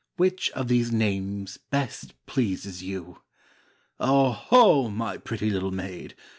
Which of these names best pleases you'?'' " 0 ho ! my pretty little maid.